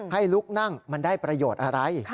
ให้ลุกนั่งมันได้ประโยชน์อะไร